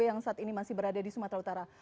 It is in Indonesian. yang saat ini masih berada di sumatera utara